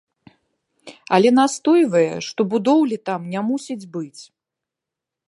Але настойвае, што будоўлі там не мусіць быць.